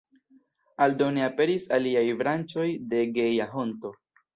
Aldone aperis aliaj branĉoj de Geja Honto.